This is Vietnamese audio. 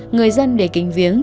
người dân để kinh viếng